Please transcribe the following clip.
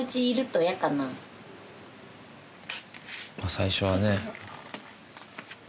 最初はね。